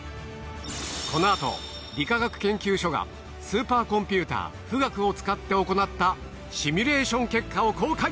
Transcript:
このあと理化学研究所がスーパーコンピューター富岳を使って行ったシミュレーション結果を公開！